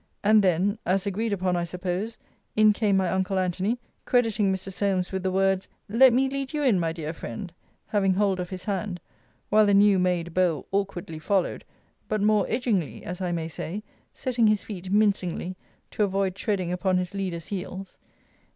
And then (as agreed upon I suppose) in came my uncle Antony, crediting Mr. Solmes with the words, Let me lead you in, my dear friend, having hold of his hand; while the new made beau awkwardly followed, but more edgingly, as I may say, setting his feet mincingly, to avoid treading upon his leader's heels.